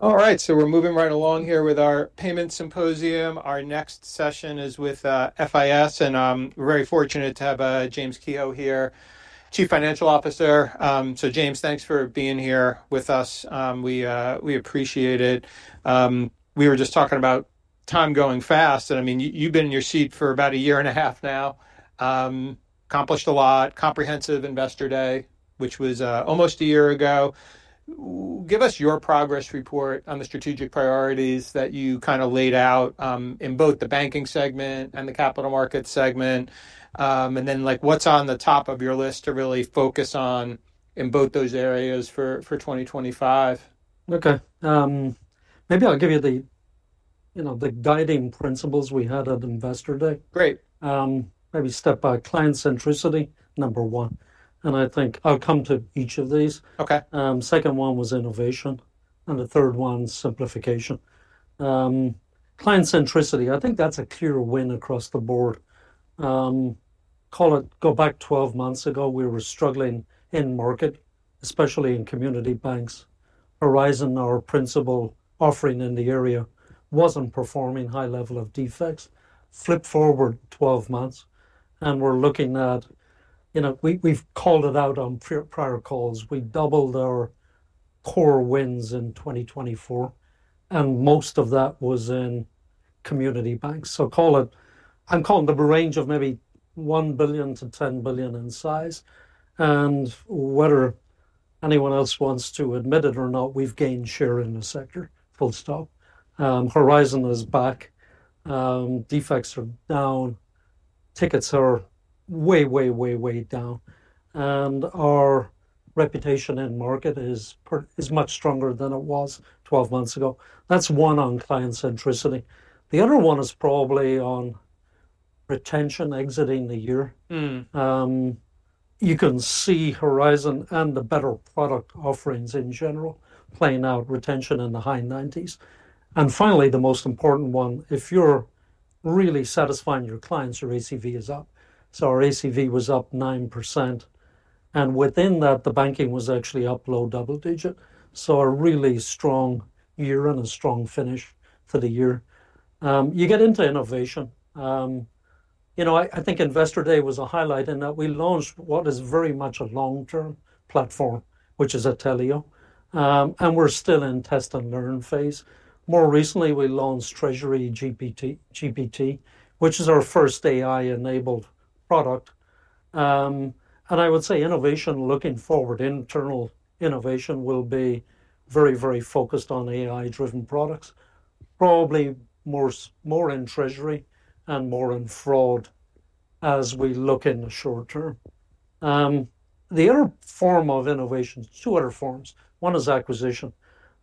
All right, so we're moving right along here with our Payment Symposium. Our next session is with FIS, and we're very fortunate to have James Kehoe here, Chief Financial Officer. James, thanks for being here with us. We appreciate it. We were just talking about time going fast, and I mean, you've been in your seat for about a year and a half now, accomplished a lot, comprehensive Investor Day, which was almost a year ago. Give us your progress report on the strategic priorities that you kind of laid out in both the banking segment and the capital markets segment, and then what's on the top of your list to really focus on in both those areas for 2025. Okay. Maybe I'll give you the guiding principles we had at Investor Day. Great. Maybe step by client centricity, number one. I think I'll come to each of these. Okay. Second one was innovation, and the third one simplification. Client centricity, I think that's a clear win across the board. Go back 12 months ago, we were struggling in market, especially in community banks. Horizon, our principal offering in the area, wasn't performing, high level of defects. Flip forward 12 months, and we're looking at, we've called it out on prior calls, we doubled our core wins in 2024, and most of that was in community banks. I'm calling the range of maybe $1 billion-$10 billion in size. And whether anyone else wants to admit it or not, we've gained share in the sector. Horizon is back. Defects are down. Tickets are way, way, way, way down. Our reputation in market is much stronger than it was 12 months ago. That's one on client centricity. The other one is probably on retention exiting the year. You can see Horizon and the better product offerings in general playing out retention in the high 90s. Finally, the most important one, if you're really satisfying your clients, your ACV is up. Our ACV was up 9%. Within that, the banking was actually up low double digit. A really strong year and a strong finish for the year. You get into innovation. I think Investor Day was a highlight in that we launched what is very much a long-term platform, which is Atelio. We're still in test and learn phase. More recently, we launched Treasury GPT, which is our first AI-enabled product. I would say innovation looking forward, internal innovation will be very, very focused on AI-driven products, probably more in Treasury and more in fraud as we look in the short term. The other form of innovation, two other forms. One is acquisition.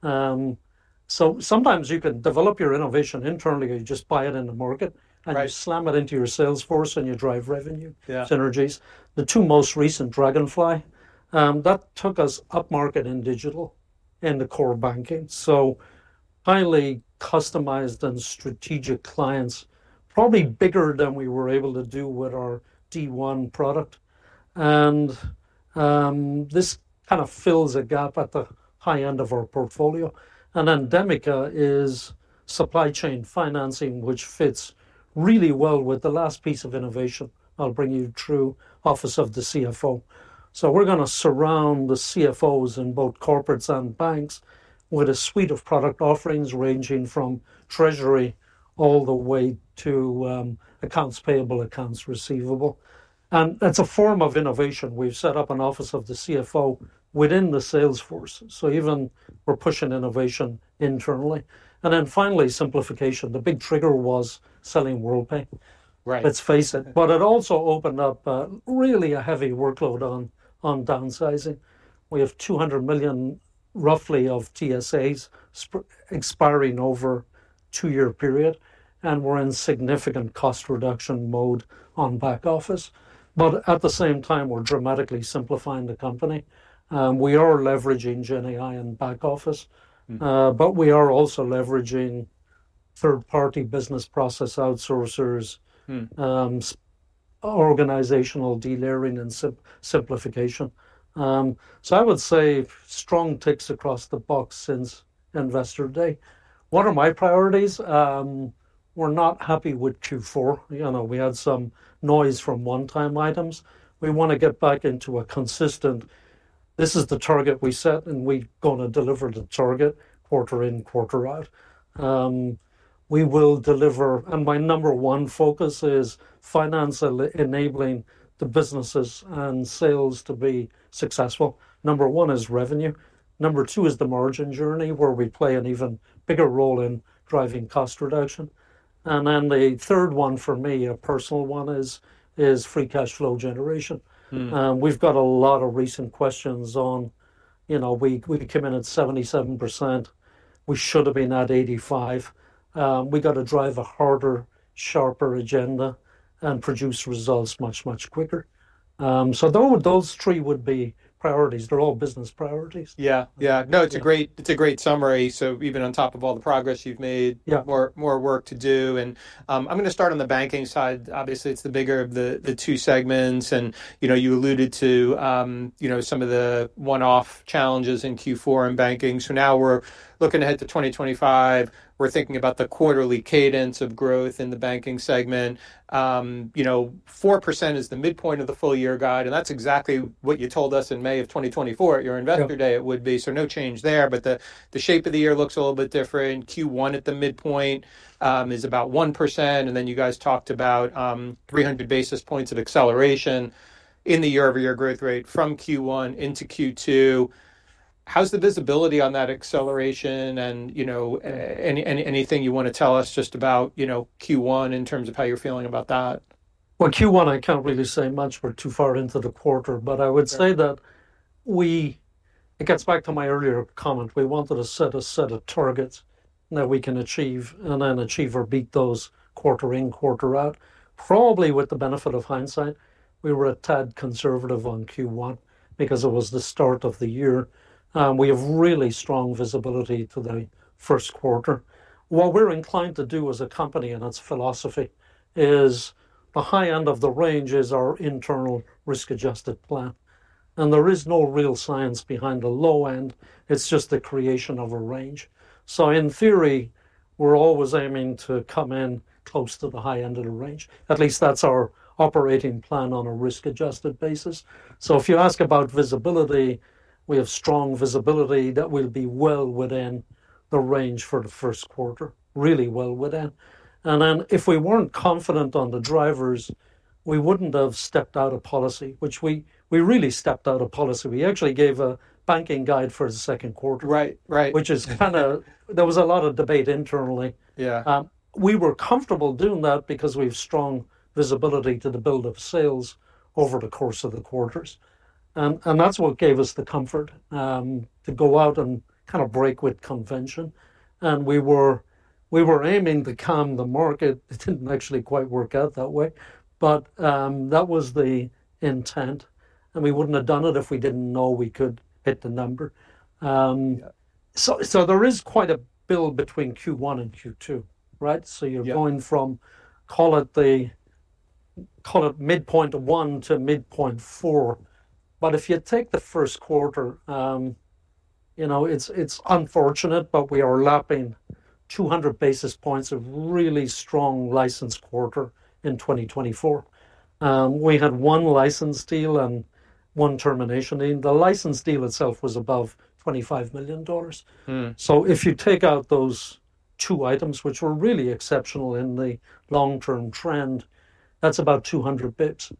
Sometimes you can develop your innovation internally, you just buy it in the market, and you slam it into your sales force and you drive revenue synergies. The two most recent, Dragonfly, that took us up market in digital in the core banking. Highly customized and strategic clients, probably bigger than we were able to do with our D1 product. This kind of fills a gap at the high end of our portfolio. Demica is supply chain financing, which fits really well with the last piece of innovation I'll bring you through, Office of the CFO. We're going to surround the CFOs in both corporates and banks with a suite of product offerings ranging from Treasury all the way to accounts payable, accounts receivable. That's a form of innovation. We've set up an Office of the CFO within the sales force. Even we're pushing innovation internally. And then finally, simplification. The big trigger was selling Worldpay. Right. Let's face it. It also opened up really a heavy workload on downsizing. We have $200 million, roughly, of TSAs expiring over a two-year period. We are in significant cost reduction mode on back office. At the same time, we are dramatically simplifying the company. We are leveraging GenAI in back office. We are also leveraging third-party business process outsourcers, organizational delaying, and simplification. I would say strong ticks across the box since Investor Day. What are my priorities? We're not happy with Q4. We had some noise from one-time items. We want to get back into a consistent, this is the target we set, and we're going to deliver the target quarter in, quarter out. We will deliver. My number one focus is finance enabling the businesses and sales to be successful. Number one is revenue. Number two is the margin journey, where we play an even bigger role in driving cost reduction. The third one for me, a personal one, is free cash flow generation. We've got a lot of recent questions on, we came in at 77%. We should have been at 85%. We got to drive a harder, sharper agenda and produce results much, much quicker. Those three would be priorities. They're all business priorities. Yeah. Yeah. No, it's a great summary. Even on top of all the progress you've made, more work to do. I'm going to start on the banking side. Obviously, it's the bigger of the two segments. You alluded to some of the one-off challenges in Q4 in banking. Now we're looking ahead to 2025. We're thinking about the quarterly cadence of growth in the banking segment. 4% is the midpoint of the full year guide, and that's exactly what you told us in May of 2024 at your Investor Day it would be. No change there. The shape of the year looks a little bit different. Q1 at the midpoint is about 1%. You guys talked about 300 basis points of acceleration in the year-over-year growth rate from Q1 into Q2. How's the visibility on that acceleration? Anything you want to tell us just about Q1 in terms of how you're feeling about that? Q1, I can't really say much. We're too far into the quarter. I would say that it gets back to my earlier comment. We wanted to set a set of targets that we can achieve and then achieve or beat those quarter in, quarter out. Probably with the benefit of hindsight, we were a tad conservative on Q1 because it was the start of the year. We have really strong visibility to the first quarter. What we're inclined to do as a company and its philosophy is the high end of the range is our internal risk-adjusted plan. There is no real science behind the low end. It's just the creation of a range. In theory, we're always aiming to come in close to the high end of the range. At least that's our operating plan on a risk-adjusted basis. If you ask about visibility, we have strong visibility that we'll be well within the range for the first quarter, really well within. If we weren't confident on the drivers, we wouldn't have stepped out of policy, which we really stepped out of policy. We actually gave a banking guide for the second quarter. Right. Right. Which is kind of, there was a lot of debate internally. Yeah. We were comfortable doing that because we have strong visibility to the build of sales over the course of the quarters. That is what gave us the comfort to go out and kind of break with convention. We were aiming to calm the market. It did not actually quite work out that way. That was the intent. We would not have done it if we did not know we could hit the number. There is quite a build between Q1 and Q2, right. You are going from, call it midpoint one to midpoint four. If you take the first quarter, it is unfortunate, but we are lapping 200 basis points of really strong license quarter in 2024. We had one license deal and one termination. The license deal itself was above $25 million. If you take out those two items, which were really exceptional in the long-term trend, that's about 200 basis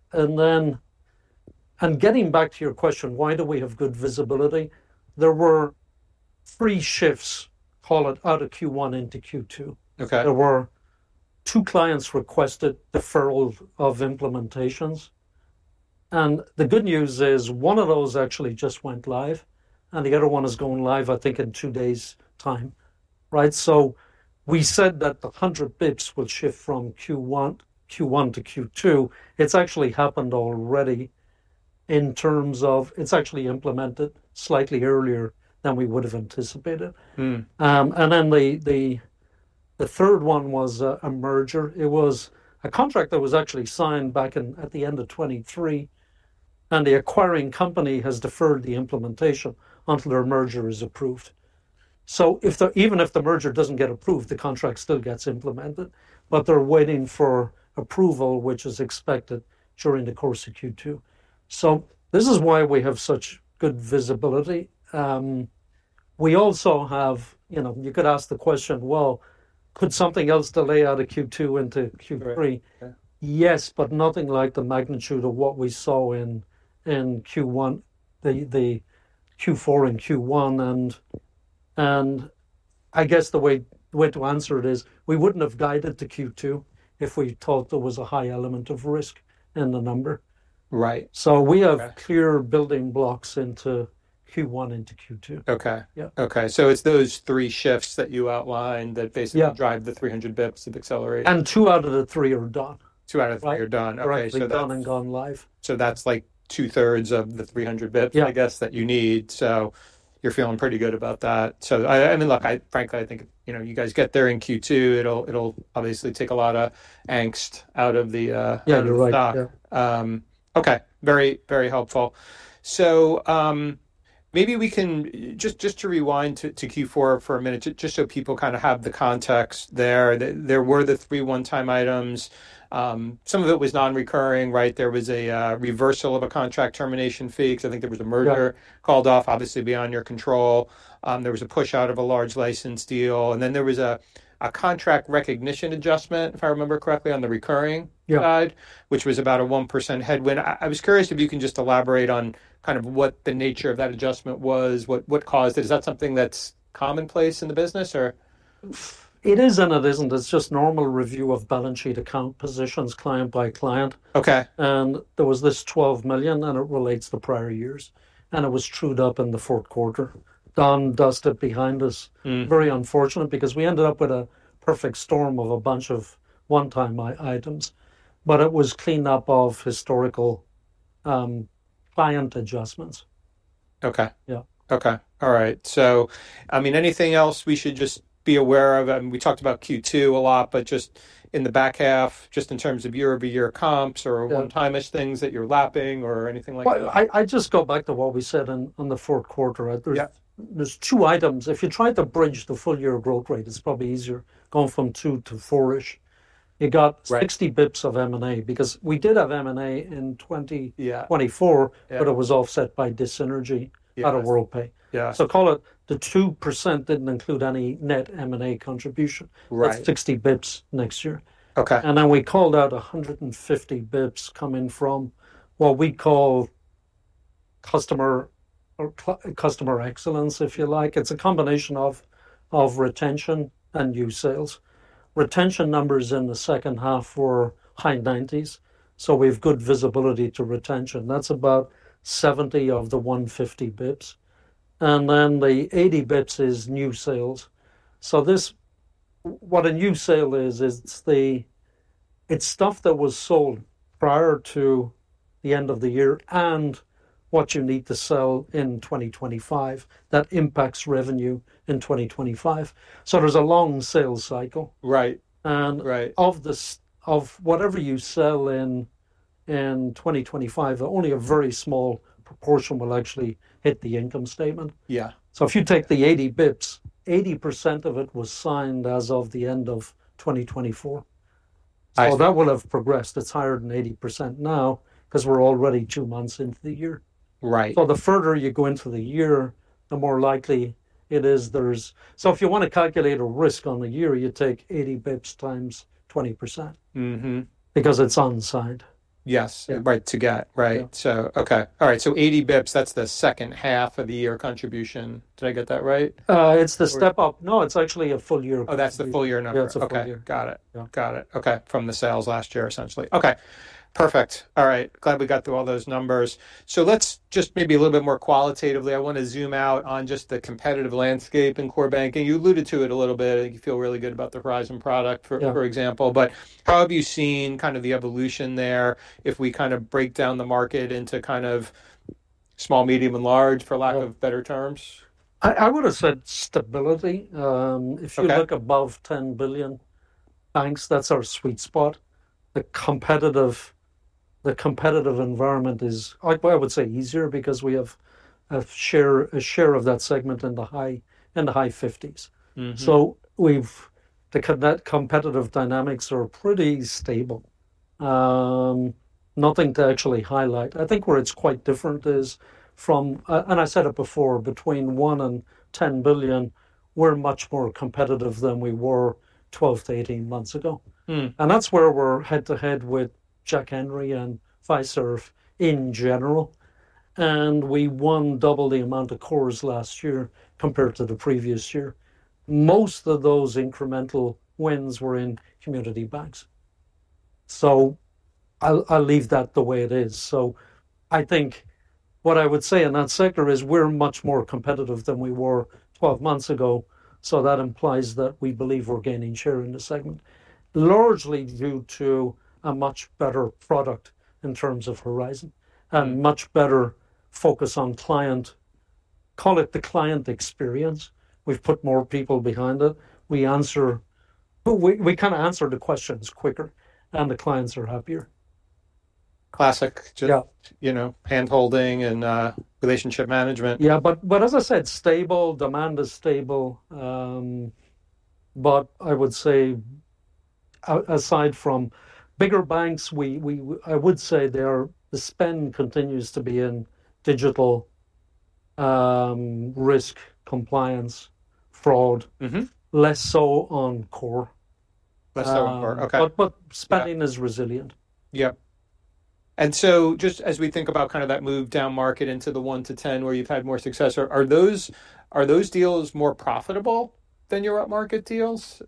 points. Getting back to your question, why do we have good visibility? There were three shifts, call it out of Q1 into Q2. Okay. There were two clients requested deferrals of implementations. The good news is one of those actually just went live. The other one is going live, I think, in two days' time, Right. We said that the 100 basis points will shift from Q1 to Q2. It's actually happened already in terms of it's actually implemented slightly earlier than we would have anticipated. The third one was a merger. It was a contract that was actually signed back at the end of 2023. The acquiring company has deferred the implementation until their merger is approved. Even if the merger doesn't get approved, the contract still gets implemented. They're waiting for approval, which is expected during the course of Q2. This is why we have such good visibility. We also have, you could ask the question, could something else delay out of Q2 into Q3? Right. Yes, but nothing like the magnitude of what we saw in Q1, the Q4 and Q1. I guess the way to answer it is we would not have guided to Q2 if we thought there was a high element of risk in the number. Right. We have clear building blocks into Q1 into Q2. Okay. Yeah. Okay. It is those three shifts that you outlined that basically drive the 300 basis points of acceleration. Two out of the three are done. Two out of three are done. Okay. Right. They're done and gone live. That's like two-thirds of the 300 bits, I guess, that you need. You're feeling pretty good about that. I mean, look, frankly, I think you guys get there in Q2. It'll obviously take a lot of angst out of the. Yeah, you're right. Stock. Okay. Very, very helpful. Maybe we can just rewind to Q4 for a minute, just so people kind of have the context there. There were the three one-time items. Some of it was non-recurring, Right. There was a reversal of a contract termination fee because I think there was a merger called off, obviously beyond your control. There was a push out of a large license deal. Then there was a contract recognition adjustment, if I remember correctly, on the recurring side, which was about a 1% headwind. I was curious if you can just elaborate on kind of what the nature of that adjustment was, what caused it. Is that something that's commonplace in the business, or? It is and it isn't. It's just normal review of balance sheet account positions client by client. Okay. There was this $12 million, and it relates to prior years. It was trued up in the fourth quarter. Done, dusted, behind us. Very unfortunate because we ended up with a perfect storm of a bunch of one-time items. It was clean up of historical client adjustments. Okay. Yeah. Okay. All right. I mean, anything else we should just be aware of? We talked about Q2 a lot, but just in the back half, just in terms of year-over-year comps or one-time-ish things that you're lapping or anything like that? I just go back to what we said in the fourth quarter. There are two items. If you try to bridge the full year growth rate, it is probably easier going from 2%-4%-ish. You have 60 basis points of M&A because we did have M&A in 2024, but it was offset by dis-synergy out of Worldpay. Call it the 2% did not include any net M&A contribution. That is 60 basis points next year. Okay. We called out 150 basis points coming from what we call customer excellence, if you like. It is a combination of retention and new sales. Retention numbers in the second half were high 90s. We have good visibility to retention. That is about 70 of the 150 basis points. The 80 basis points is new sales. What a new sale is, it is stuff that was sold prior to the end of the year and what you need to sell in 2025 that impacts revenue in 2025. There is a long sales cycle. Right. Right. Of whatever you sell in 2025, only a very small proportion will actually hit the income statement. Yeah. If you take the 80 bits, 80% of it was signed as of the end of 2024. I see. That will have progressed. It's higher than 80% now because we're already two months into the year. Right. The further you go into the year, the more likely it is there's—if you want to calculate a risk on the year, you take 80 basis points times 20% because it's onside. Yes. Right. Right. So okay. All right. So 80 basis points, that's the second half of the year contribution. Did I get that Right. It's the step up. No, it's actually a full year contribution. Oh, that's the full year number. Yeah. It's a full year. Got it. Got it. Okay. From the sales last year, essentially. Okay. Perfect. All right. Glad we got through all those numbers. Let's just maybe a little bit more qualitatively. I want to zoom out on just the competitive landscape in core banking. You alluded to it a little bit. You feel really good about the Horizon product, for example. How have you seen kind of the evolution there if we kind of break down the market into kind of small, medium, and large, for lack of better terms? I would have said stability. If you look above $10 billion banks, that's our sweet spot. The competitive environment is, I would say, easier because we have a share of that segment in the high 50%. The competitive dynamics are pretty stable. Nothing to actually highlight. I think where it's quite different is from, and I said it before, between $1 billion and $10 billion, we're much more competitive than we were 12 to 18 months ago. That's where we're head to head with Jack Henry and Fiserv in general. We won double the amount of cores last year compared to the previous year. Most of those incremental wins were in community banks. I'll leave that the way it is. I think what I would say in that sector is we're much more competitive than we were 12 months ago. That implies that we believe we're gaining share in the segment, largely due to a much better product in terms of Horizon and much better focus on client, call it the client experience. We've put more people behind it. We kind of answer the questions quicker, and the clients are happier. Classic just handholding and relationship management. Yeah. As I said, stable. Demand is stable. I would say aside from bigger banks, I would say the spend continues to be in digital, risk, compliance, fraud, less so on core. Less so on core. Okay. Spending is resilient. Yep. Just as we think about kind of that move down market into the 1-10 where you've had more success, are those deals more profitable than your upmarket deals?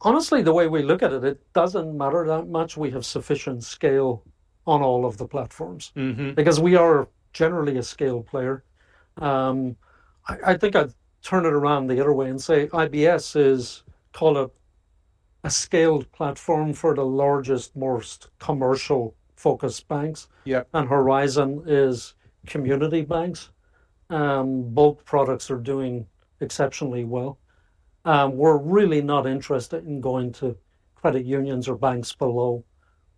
Honestly, the way we look at it, it doesn't matter that much. We have sufficient scale on all of the platforms because we are generally a scale player. I think I'd turn it around the other way and say IBS is called a scaled platform for the largest, most commercial-focused banks. Horizon is community banks. Both products are doing exceptionally well. We're really not interested in going to credit unions or banks below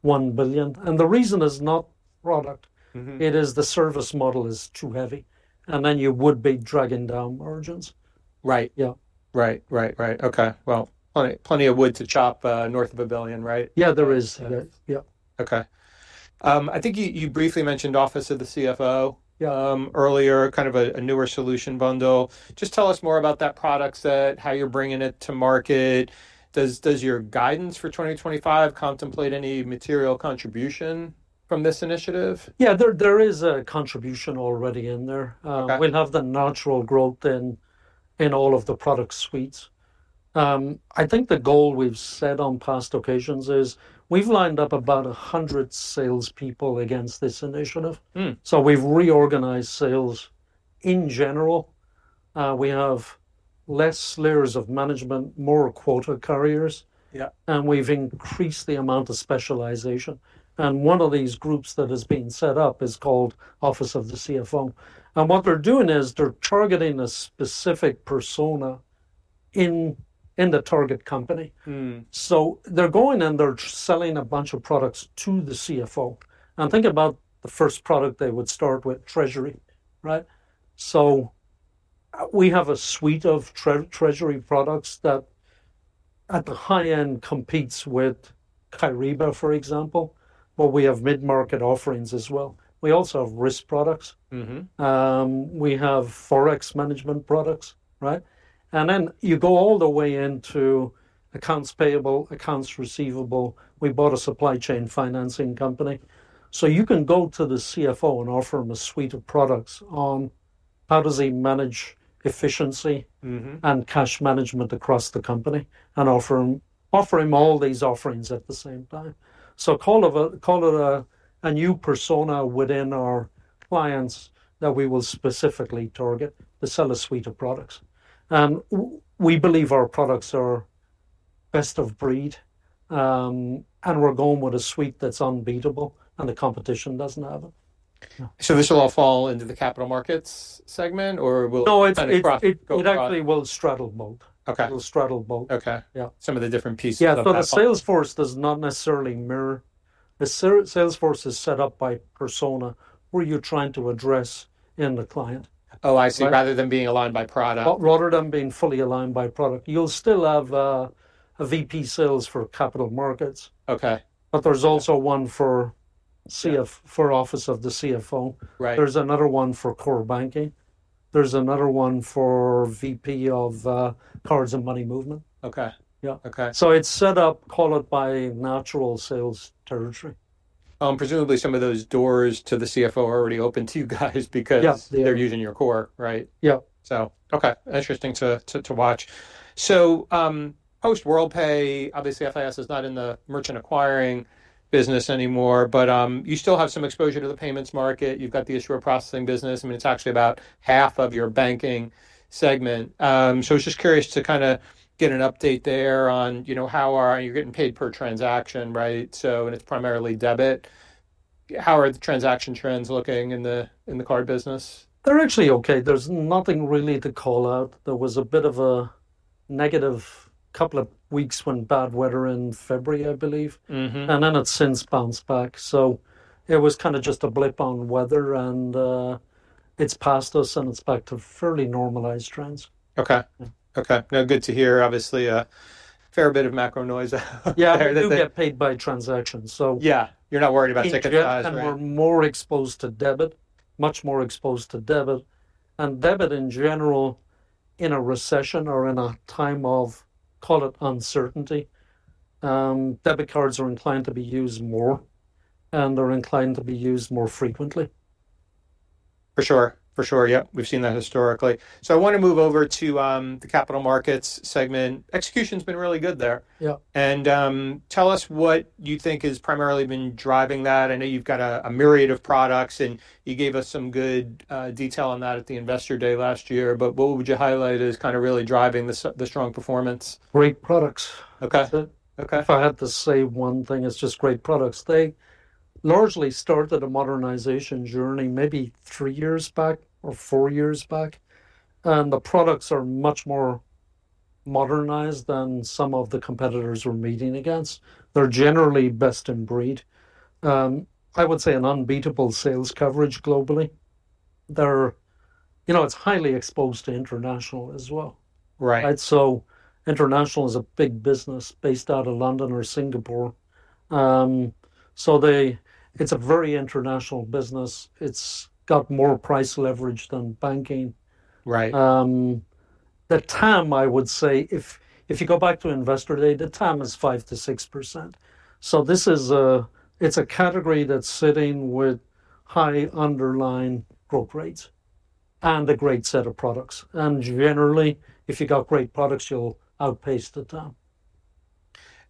$1 billion. The reason is not product. It is the service model is too heavy. You would be dragging down margins. Right. Yeah. Right. Right. Right. Okay. Plenty of wood to chop north of a billion, Right. Yeah, there is. Yeah. Okay. I think you briefly mentioned office of the CFO earlier, kind of a newer solution bundle. Just tell us more about that product set, how you're bringing it to market. Does your guidance for 2025 contemplate any material contribution from this initiative? Yeah, there is a contribution already in there. We'll have the natural growth in all of the product suites. I think the goal we've set on past occasions is we've lined up about 100 salespeople against this initiative. We've reorganized sales in general. We have fewer layers of management, more quota carriers. We've increased the amount of specialization. One of these groups that is being set up is called Office of the CFO. What they're doing is they're targeting a specific persona in the target company. They're going and they're selling a bunch of products to the CFO. Think about the first product they would start with, Treasury, Right. We have a suite of Treasury products that at the high end competes with Kyriba, for example. We have mid-market offerings as well. We also have risk products. We have forex management products, Right. You go all the way into accounts payable, accounts receivable. We bought a supply chain financing company. You can go to the CFO and offer him a suite of products on how does he manage efficiency and cash management across the company and offer him all these offerings at the same time. Call it a new persona within our clients that we will specifically target, the seller suite of products. We believe our products are best of breed. We are going with a suite that's unbeatable and the competition doesn't have it. Will this all fall into the capital markets segment, or will it kind of cross? No, it actually will straddle both. It will straddle both. Okay. Some of the different pieces of the product. Yeah. The Salesforce does not necessarily mirror. The Salesforce is set up by persona where you're trying to address in the client. Oh, I see. Rather than being aligned by product. Rotterdam being fully aligned by product. You'll still have a VP sales for capital markets. Okay. There is also one for Office of the CFO. There is another one for core banking. There is another one for VP of Cards and Money Movement. Okay. Yeah. It is set up, call it by natural sales territory. Presumably some of those doors to the CFO are already open to you guys because they're using your core, Right. Yeah. Okay. Interesting to watch. Post-Worldpay, obviously, FIS is not in the merchant acquiring business anymore, but you still have some exposure to the payments market. You've got the issuer processing business. I mean, it's actually about half of your banking segment. I was just curious to kind of get an update there on how are you getting paid per transaction, Right. It's primarily debit. How are the transaction trends looking in the card business? They're actually okay. There's nothing really to call out. There was a bit of a negative couple of weeks when bad weather in February, I believe. It has since bounced back. It was kind of just a blip on weather. It is past us and it is back to fairly normalized trends. Okay. Okay. No, good to hear. Obviously, a fair bit of macro noise out there. Yeah. You get paid by transactions, so. Yeah. You're not worried about ticket size, Right. We are more exposed to debit, much more exposed to debit. Debit in general, in a recession or in a time of, call it uncertainty, debit cards are inclined to be used more. They are inclined to be used more frequently. For sure. For sure. Yep. We've seen that historically. I want to move over to the capital markets segment. Execution's been really good there. Yeah. Tell us what you think has primarily been driving that. I know you've got a myriad of products and you gave us some good detail on that at the Investor Day last year. What would you highlight as kind of really driving the strong performance? Great products. Okay. Okay. If I had to say one thing, it's just great products. They largely started a modernization journey maybe three years back or four years back. The products are much more modernized than some of the competitors we're meeting against. They're generally best in breed. I would say an unbeatable sales coverage globally. It's highly exposed to international as well. Right. International is a big business based out of London or Singapore. It is a very international business. It has more price leverage than banking. Right. The TAM, I would say, if you go back to Investor Day, the TAM is 5%-6%. It is a category that is sitting with high underlying growth rates and a great set of products. Generally, if you got great products, you will outpace the TAM.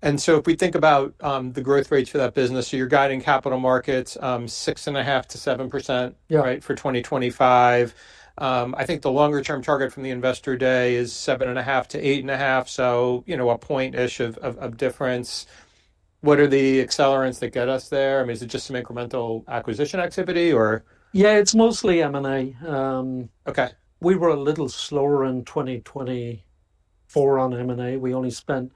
If we think about the growth rates for that business, you're guiding capital markets 6.5%-7% for 2025. I think the longer-term target from the Investor Day is 7.5%-8.5%, so a point-ish of difference. What are the accelerants that get us there? I mean, is it just some incremental acquisition activity, or? Yeah, it's mostly M&A. Okay. We were a little slower in 2024 on M&A. We only spent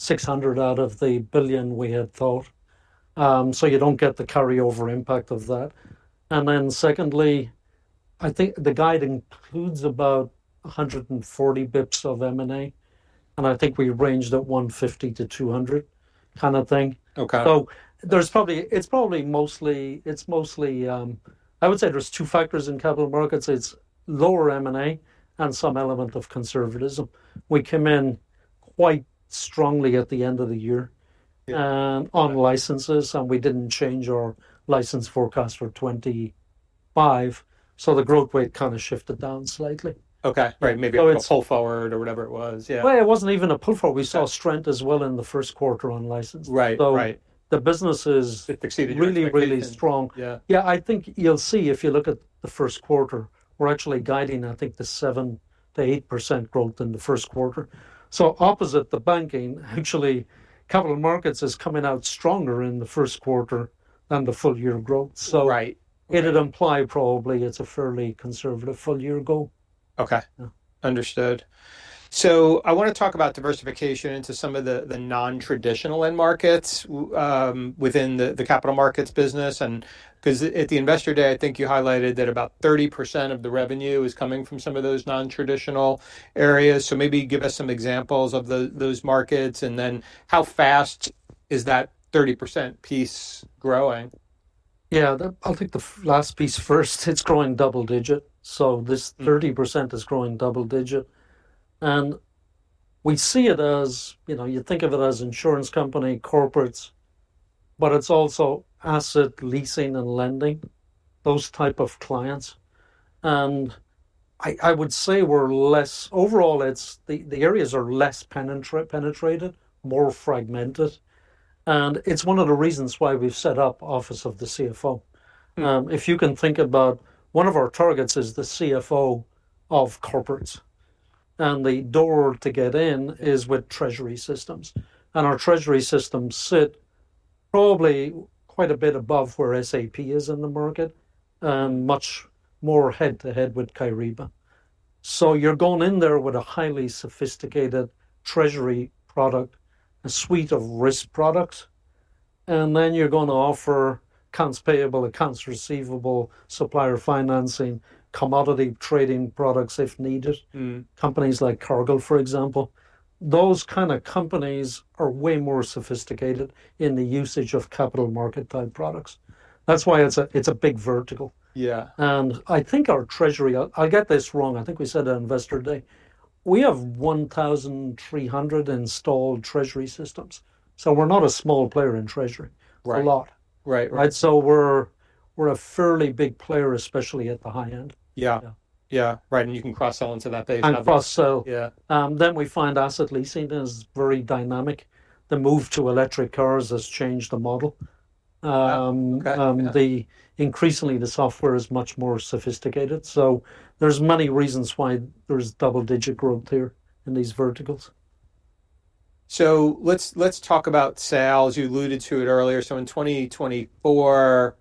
$600 million out of the $1 billion we had thought. You do not get the carryover impact of that. Secondly, I think the guide includes about 140 basis points of M&A. I think we ranged at 150-200 basis points kind of thing. Okay. It is probably mostly, I would say there are two factors in capital markets. It is lower M&A and some element of conservatism. We came in quite strongly at the end of the year on licenses, and we did not change our license forecast for 2025. The growth rate kind of shifted down slightly. Okay. Right. Maybe a pull forward or whatever it was. Yeah. It wasn't even a pull forward. We saw strength as well in the first quarter on license. Right. Right. The business is really, really strong. Right. Yeah. I think you'll see if you look at the first quarter, we're actually guiding, I think, the 7%-8% growth in the first quarter. Opposite the banking, actually, capital markets is coming out stronger in the first quarter than the full-year growth. It would imply probably it's a fairly conservative full-year goal. Okay. Understood. I want to talk about diversification into some of the non-traditional end markets within the capital markets business. Because at the Investor Day, I think you highlighted that about 30% of the revenue is coming from some of those non-traditional areas. Maybe give us some examples of those markets and then how fast is that 30% piece growing? Yeah. I'll take the last piece first. It's growing double-digit. This 30% is growing double-digit. We see it as, you think of it as insurance company, corporates, but it's also asset leasing and lending, those type of clients. I would say we're less overall, the areas are less penetrated, more fragmented. It's one of the reasons why we've set up Office of the CFO. If you can think about one of our targets is the CFO of corporates. The door to get in is with Treasury systems. Our Treasury systems sit probably quite a bit above where SAP is in the market and much more head-to-head with Kyriba. You're going in there with a highly sophisticated Treasury product, a suite of risk products. You're going to offer accounts payable, accounts receivable, supplier financing, commodity trading products if needed, companies like Cargill, for example. Those kind of companies are way more sophisticated in the usage of capital market-type products. That's why it's a big vertical. Yeah. I think our Treasury, I get this wrong. I think we said at Investor Day, we have 1,300 installed Treasury systems. So we're not a small player in Treasury. It's a lot. Right. Right. We're a fairly big player, especially at the high end. Yeah. Yeah. Right. And you can cross-sell into that base. I cross-sell. Yeah. We find asset leasing is very dynamic. The move to electric cars has changed the model. Okay. Increasingly, the software is much more sophisticated. There are many reasons why there is double-digit growth here in these verticals. Let's talk about sales. You alluded to it earlier. In 2024,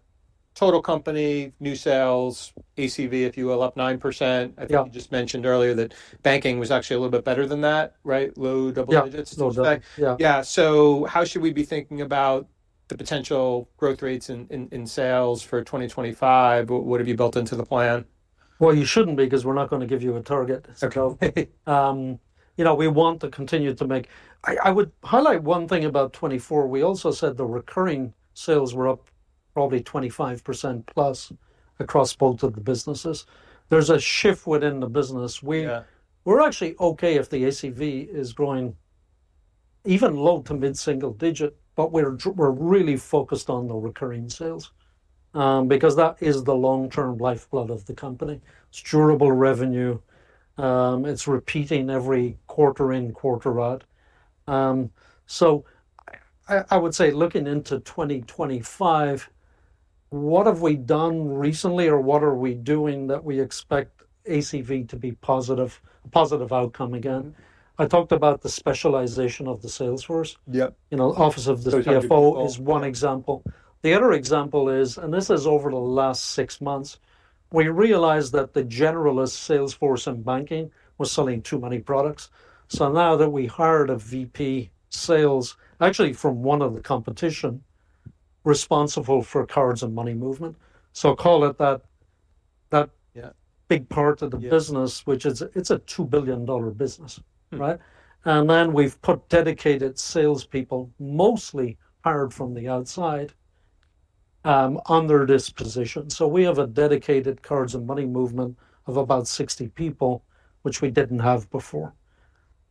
total company new sales, ACV, if you will, up 9%. I think you just mentioned earlier that banking was actually a little bit better than that, Right. Low double-digits. Yeah, low double-digit. Yeah. How should we be thinking about the potential growth rates in sales for 2025? What have you built into the plan? You shouldn't because we're not going to give you a target. Okay. We want to continue to make. I would highlight one thing about 2024. We also said the recurring sales were up probably 25% plus across both of the businesses. There's a shift within the business. We're actually okay if the ACV is growing even low to mid-single digit, but we're really focused on the recurring sales because that is the long-term lifeblood of the company. It's durable revenue. It's repeating every quarter-end quarter out. I would say looking into 2025, what have we done recently or what are we doing that we expect ACV to be a positive outcome again? I talked about the specialization of the salesforce. Yep. Office of the CFO is one example. The other example is, and this is over the last six months, we realized that the generalist salesforce in banking was selling too many products. Now that we hired a VP Sales, actually from one of the competition responsible for cards and money movement. Call it that big part of the business, which it's a $2 billion business, Right. We have put dedicated salespeople, mostly hired from the outside, under this position. We have a dedicated cards and money movement of about 60 people, which we didn't have before.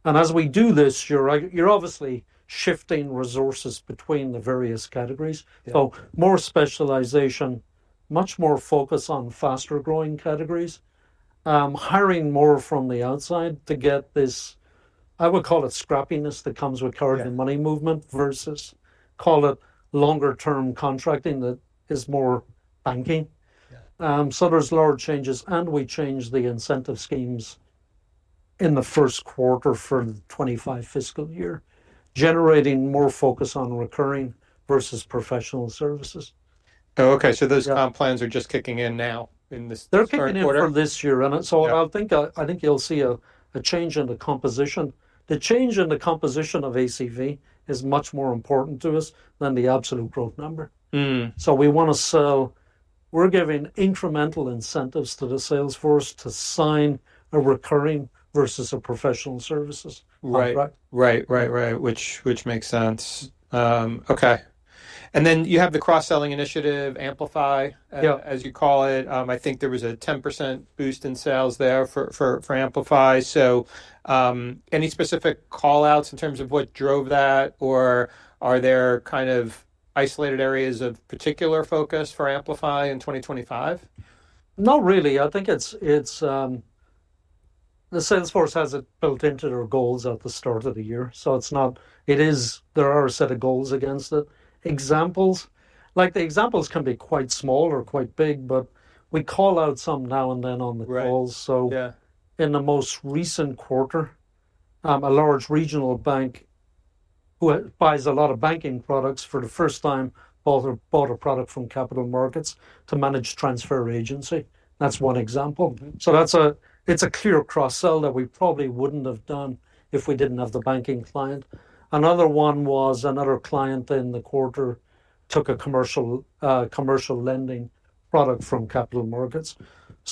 As we do this, you're obviously shifting resources between the various categories. More specialization, much more focus on faster-growing categories, hiring more from the outside to get this, I would call it scrappiness that comes with card and money movement versus, call it, longer-term contracting that is more banking. There are large changes. We changed the incentive schemes in the first quarter for the 2025 fiscal year, generating more focus on recurring versus professional services. Oh, okay. Those plans are just kicking in now in this quarter? They're kicking in for this year. I think you'll see a change in the composition. The change in the composition of ACV is much more important to us than the absolute growth number. We want to sell. We're giving incremental incentives to the salesforce to sign a recurring versus a professional services. Right. Right. Right. Right. Which makes sense. Okay. You have the cross-selling initiative, Amplify, as you call it. I think there was a 10% boost in sales there for Amplify. Any specific callouts in terms of what drove that, or are there kind of isolated areas of particular focus for Amplify in 2025? Not really. I think the salesforce has it built into their goals at the start of the year. So it is, there are a set of goals against it. Examples, like the examples can be quite small or quite big, but we call out some now and then on the calls. In the most recent quarter, a large regional bank who buys a lot of banking products for the first time bought a product from capital markets to manage transfer agency. That's one example. It's a clear cross-sell that we probably wouldn't have done if we didn't have the banking client. Another one was another client in the quarter took a commercial lending product from capital markets.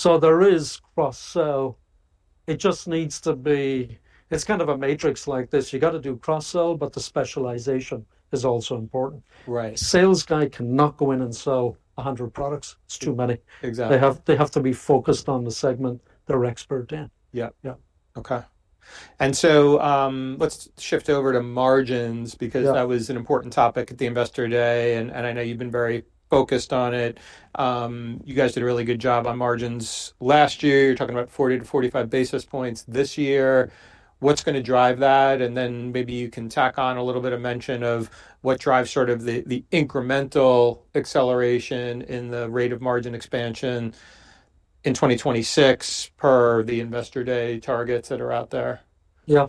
There is cross-sell. It just needs to be, it's kind of a matrix like this. You got to do cross-sell, but the specialization is also important. Right. Sales guy cannot go in and sell 100 products. It's too many. Exactly. They have to be focused on the segment they're expert in. Yeah. Okay. Let's shift over to margins because that was an important topic at the Investor Day. I know you've been very focused on it. You guys did a really good job on margins last year. You're talking about 40-45 basis points this year. What's going to drive that? Maybe you can tack on a little bit of mention of what drives sort of the incremental acceleration in the rate of margin expansion in 2026 per the Investor Day targets that are out there. Yeah.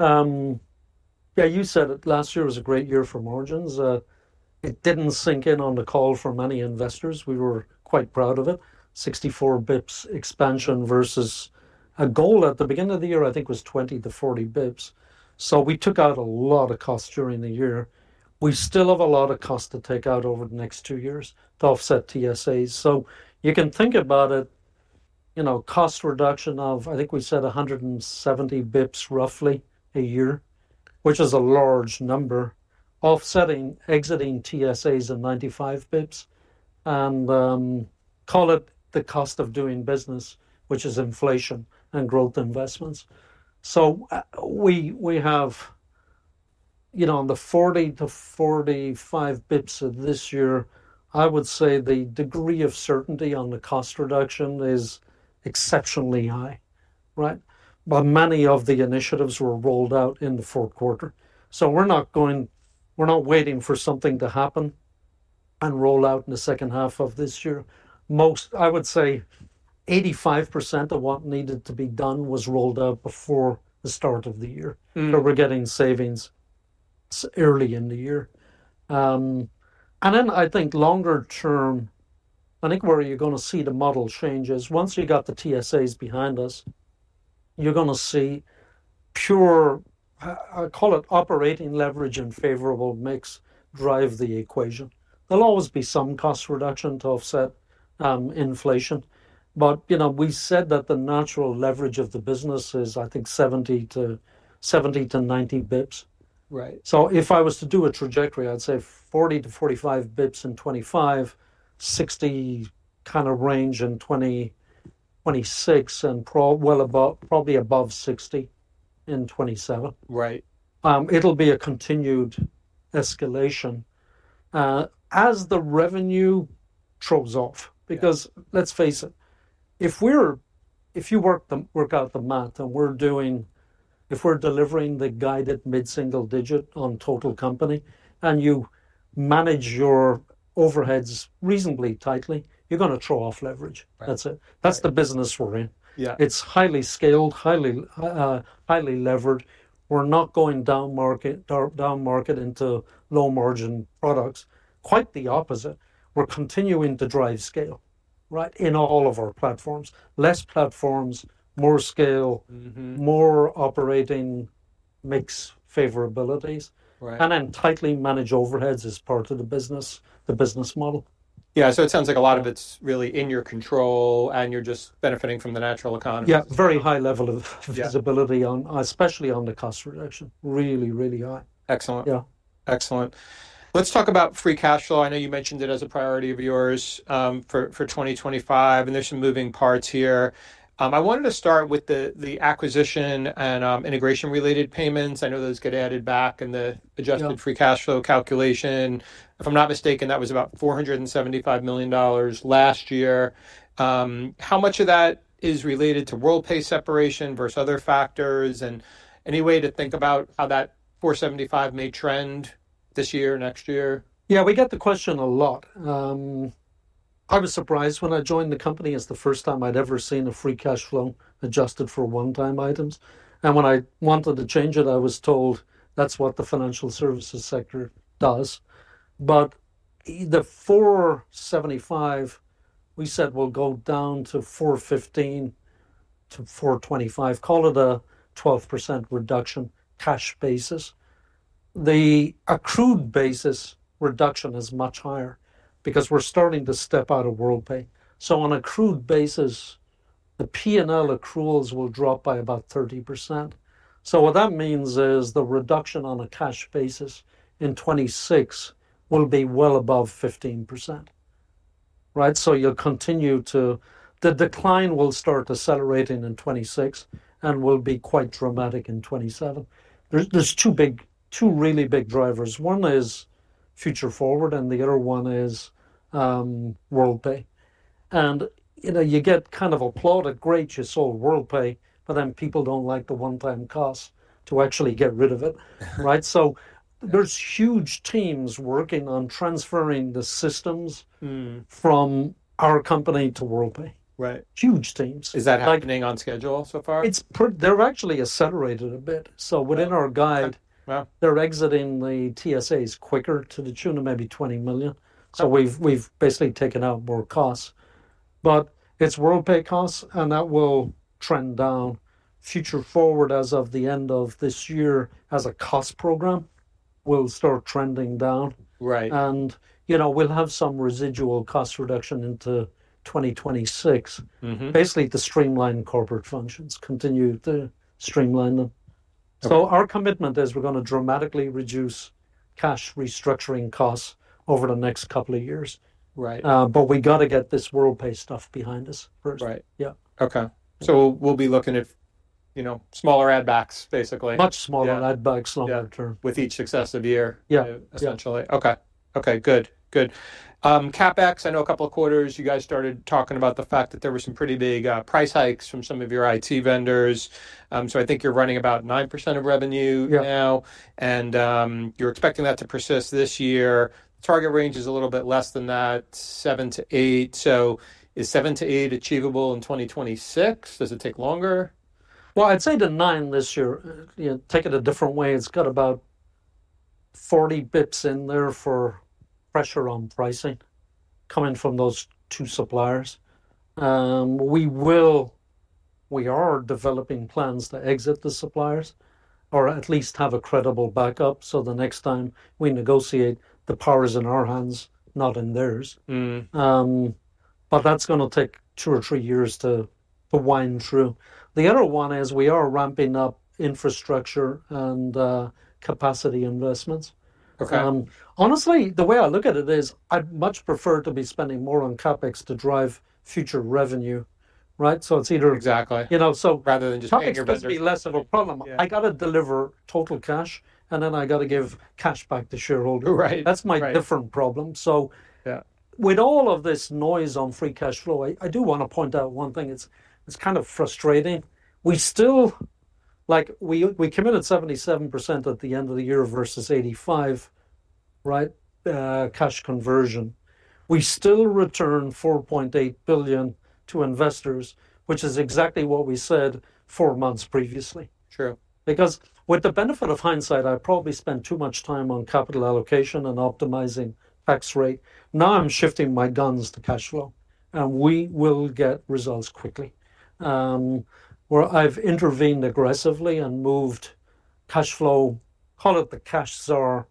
Yeah, you said it. Last year was a great year for margins. It did not sink in on the call from many investors. We were quite proud of it. 64 basis points expansion versus a goal at the beginning of the year, I think was 20-40 basis points. We took out a lot of costs during the year. We still have a lot of costs to take out over the next two years to offset TSAs. You can think about it, cost reduction of, I think we said 170 basis points roughly a year, which is a large number, offsetting exiting TSAs at 95 basis points and call it the cost of doing business, which is inflation and growth investments. We have on the 40-45 basis points of this year, I would say the degree of certainty on the cost reduction is exceptionally high, Right. Many of the initiatives were rolled out in the fourth quarter. We are not waiting for something to happen and roll out in the second half of this year. I would say 85% of what needed to be done was rolled out before the start of the year. We are getting savings early in the year. I think longer-term, where you are going to see the model change is once you have the TSAs behind us, you are going to see pure, I call it operating leverage and favorable mix drive the equation. There will always be some cost reduction to offset inflation. We said that the natural leverage of the business is, I think, 70 to 90 basis points. Right. If I was to do a trajectory, I'd say 40-45 basis points in 2025, 60 kind of range in 2026, and probably above 60 in 2027. Right. It'll be a continued escalation as the revenue throws off because let's face it, if you work out the math and we're doing, if we're delivering the guided mid-single digit on total company and you manage your overheads reasonably tightly, you're going to throw off leverage. That's it. That's the business we're in. Yeah. It's highly scaled, highly levered. We're not going down market into low-margin products. Quite the opposite. We're continuing to drive scale, right, in all of our platforms. Fewer platforms, more scale, more operating mix favorabilities. Then tightly manage overheads as part of the business, the business model. Yeah. It sounds like a lot of it's really in your control and you're just benefiting from the natural economy. Yeah. Very high level of visibility, especially on the cost reduction. Really, really high. Excellent. Yeah. Excellent. Let's talk about free cash flow. I know you mentioned it as a priority of yours for 2025, and there's some moving parts here. I wanted to start with the acquisition and integration-related payments. I know those get added back in the adjusted free cash flow calculation. If I'm not mistaken, that was about $475 million last year. How much of that is related to Worldpay separation versus other factors and any way to think about how that $475 million may trend this year, next year? Yeah, we get the question a lot. I was surprised when I joined the company. It's the first time I'd ever seen a free cash flow adjusted for one-time items. When I wanted to change it, I was told that's what the financial services sector does. The $475 million, we said we'll go down to $415 million-$425 million, call it a 12% reduction cash basis. The accrued basis reduction is much higher because we're starting to step out of Worldpay. On accrued basis, the P&L accruals will drop by about 30%. What that means is the reduction on a cash basis in 2026 will be well above 15%, Right. You'll continue to, the decline will start accelerating in 2026 and will be quite dramatic in 2027. There are two really big drivers. One is Future Forward and the other one is Worldpay. You get kind of applauded, great, you sold Worldpay, but then people do not like the one-time cost to actually get rid of it, Right. There are huge teams working on transferring the systems from our company to Worldpay. Right. Huge teams. Is that happening on schedule so far? They're actually accelerated a bit. Within our guide, they're exiting the TSAs quicker to the tune of maybe $20 million. We've basically taken out more costs. It's Worldpay costs and that will trend down. Future forward, as of the end of this year, as a cost program, will start trending down. Right. We will have some residual cost reduction into 2026, basically to streamline corporate functions, continue to streamline them. Our commitment is we are going to dramatically reduce cash restructuring costs over the next couple of years. Right. We got to get this Worldpay stuff behind us first. Right. Yeah. Okay. We'll be looking at smaller add-backs, basically. Much smaller add-backs longer term. Yeah, with each successive year, essentially. Yeah. Okay. Okay. Good. Good. CapEx, I know a couple of quarters you guys started talking about the fact that there were some pretty big price hikes from some of your IT vendors. I think you're running about 9% of revenue now, and you're expecting that to persist this year. Target range is a little bit less than that, 7-8%. Is 7-8% achievable in 2026? Does it take longer? I'd say to nine this year, take it a different way. It's got about 40 basis points in there for pressure on pricing coming from those two suppliers. We are developing plans to exit the suppliers or at least have a credible backup. The next time we negotiate, the power is in our hands, not in theirs. That's going to take two or three years to wind through. The other one is we are ramping up infrastructure and capacity investments. Okay. Honestly, the way I look at it is I'd much prefer to be spending more on CapEx to drive future revenue, Right. It is either. Exactly. So. Rather than just making your business. CapEx should be less of a problem. I got to deliver total cash, and then I got to give cash back to shareholders. Right. That's my different problem. With all of this noise on free cash flow, I do want to point out one thing. It's kind of frustrating. We committed 77% at the end of the year versus 85% cash conversion. We still returned $4.8 billion to investors, which is exactly what we said four months previously. Sure. Because with the benefit of hindsight, I probably spent too much time on capital allocation and optimizing tax rate. Now I'm shifting my guns to cash flow, and we will get results quickly. Where I've intervened aggressively and moved cash flow, call it the cash czar,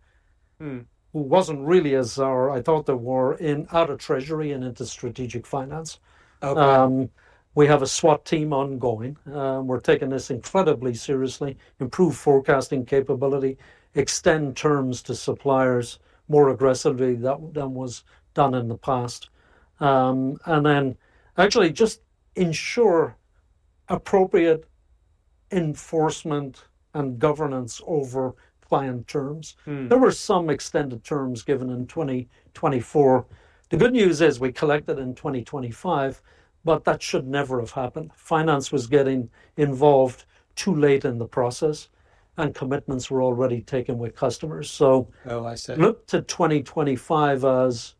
who wasn't really a czar I thought they were in out of Treasury and into strategic finance. Okay. We have a SWAT team ongoing. We're taking this incredibly seriously, improve forecasting capability, extend terms to suppliers more aggressively than was done in the past. Actually just ensure appropriate enforcement and governance over planned terms. There were some extended terms given in 2024. The good news is we collected in 2025, but that should never have happened. Finance was getting involved too late in the process, and commitments were already taken with customers. Oh, I see. Look to 2025 as,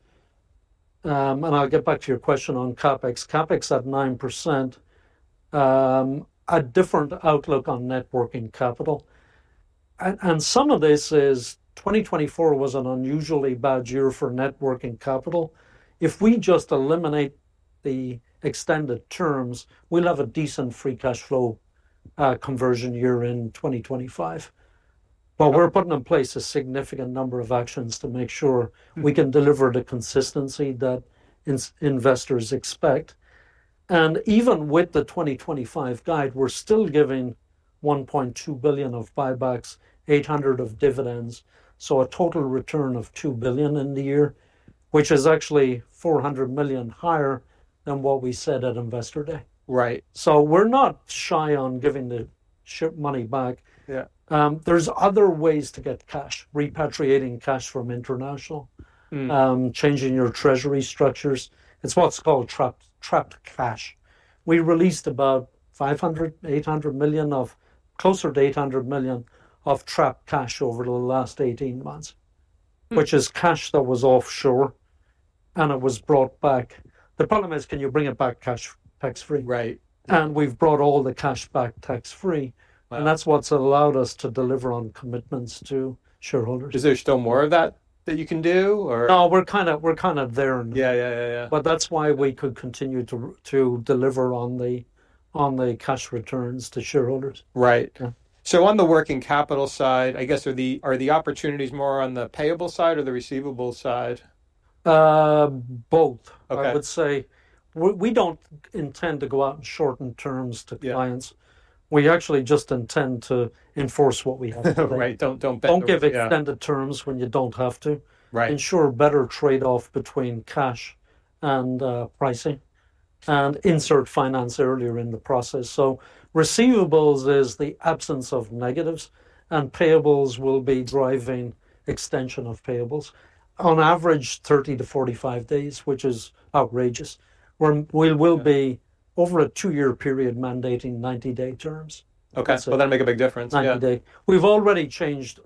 and I'll get back to your question on CapEx. CapEx at 9%, a different outlook on networking capital. Some of this is 2024 was an unusually bad year for networking capital. If we just eliminate the extended terms, we'll have a decent free cash flow conversion year in 2025. We are putting in place a significant number of actions to make sure we can deliver the consistency that investors expect. Even with the 2025 guide, we're still giving $1.2 billion of buybacks, $800 million of dividends. A total return of $2 billion in the year, which is actually $400 million higher than what we said at Investor Day. Right. We're not shy on giving the ship money back. Yeah. are other ways to get cash, repatriating cash from international, changing your Treasury structures. It is what is called trapped cash. We released about $500 million-$800 million, closer to $800 million, of trapped cash over the last 18 months, which is cash that was offshore and it was brought back. The problem is can you bring it back tax-free? Right. We have brought all the cash back tax-free. That is what has allowed us to deliver on commitments to shareholders. Is there still more of that that you can do or? No, we're kind of there. Yeah, yeah. That is why we could continue to deliver on the cash returns to shareholders. Right. On the working capital side, I guess are the opportunities more on the payable side or the receivable side? Both, I would say. We do not intend to go out and shorten terms to clients. We actually just intend to enforce what we have to do. Right. Don't bend the. Don't give extended terms when you don't have to. Right. Ensure better trade-off between cash and pricing and insert finance earlier in the process. Receivables is the absence of negatives and payables will be driving extension of payables. On average, 30-45 days, which is outrageous. We will be over a two-year period mandating 90-day terms. Okay. That'll make a big difference. Yeah. Ninety-day. We've already changed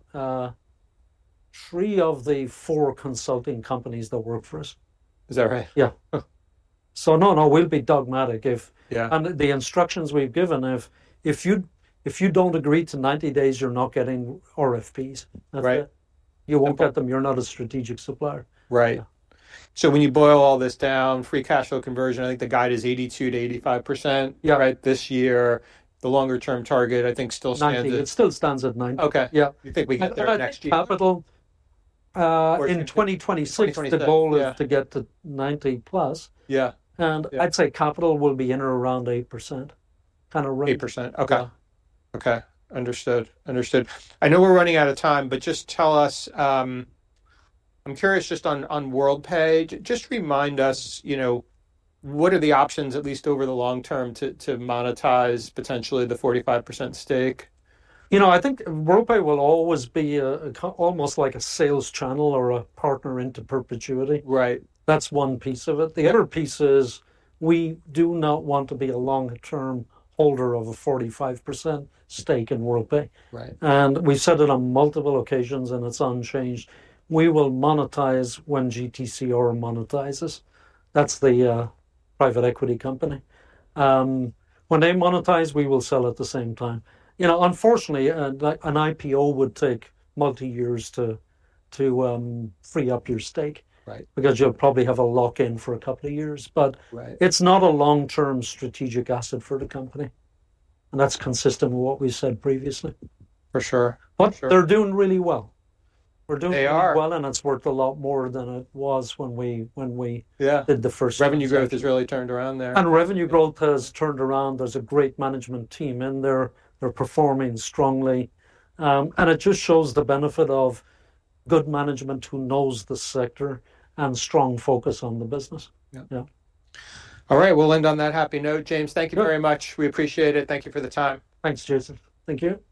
three of the four consulting companies that work for us. Is that Right. Yeah. No, no, we'll be dogmatic if, and the instructions we've given, if you don't agree to 90 days, you're not getting RFPs. Right. You won't get them. You're not a strategic supplier. Right. When you boil all this down, free cash flow conversion, I think the guide is 82%-85%, Right. This year, the longer-term target, I think, still stands. 90. It still stands at 90. Okay. Yeah. You think we can hit that next year? Capital. In 2026, the goal is to get to 90+. Yeah. I'd say capital will be in or around 8% range. 8%. Okay. Okay. Understood. Understood. I know we're running out of time, but just tell us, I'm curious just on Worldpay, just remind us, what are the options, at least over the long term, to monetize potentially the 45% stake? You know, I think Worldpay will always be almost like a sales channel or a partner into perpetuity. Right. That's one piece of it. The other piece is we do not want to be a long-term holder of a 45% stake in Worldpay. Right. We have said it on multiple occasions and it is unchanged. We will monetize when GTCR monetizes. That is the private equity company. When they monetize, we will sell at the same time. You know, unfortunately, an IPO would take multiple years to free up your stake. Right. Because you'll probably have a lock-in for a couple of years. It is not a long-term strategic asset for the company. That is consistent with what we said previously. For sure. They are doing really well. They are? We're doing really well and it's worth a lot more than it was when we did the first. Yeah. Revenue growth has really turned around there. Revenue growth has turned around. There is a great management team in there. They are performing strongly. It just shows the benefit of good management who knows the sector and strong focus on the business. Yeah. Yeah. All right. We'll end on that happy note. James, thank you very much. We appreciate it. Thank you for the time. Thanks, Joseph. Thank you.